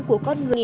của con người